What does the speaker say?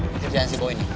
kejadian si boy ini